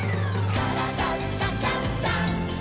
「からだダンダンダン」